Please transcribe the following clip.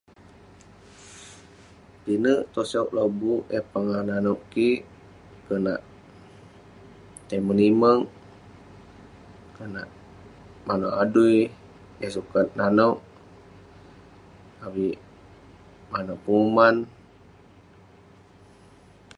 Pinek tosok labuk eh pongah nanouk kik, konak tei menimek, konak manouk adui yah sukat nanouk. Avik manouk penguman.